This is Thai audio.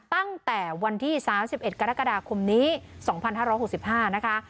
ตั้งแต่วันที่๓๑กรกฎาคมนี้๒๕๖๕นะคะ